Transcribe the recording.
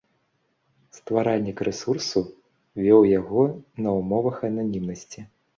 Стваральнік рэсурсу вёў яго на ўмовах ананімнасці.